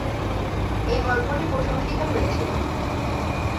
এই গল্পটি প্রশংসিত হয়েছিল।